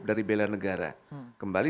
dari belan negara kembali